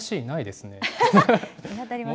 見当たりません。